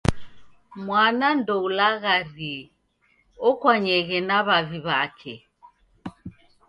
Mwana ndoulagharie, okwanyeghe na w'avi w'ake.